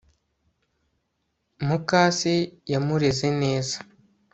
mukase yamureze neza